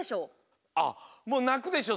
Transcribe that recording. あっもうなくでしょ？